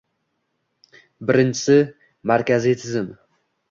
Birinchisi, markaziy tizim.